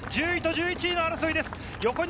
１０位と１１位の争いです。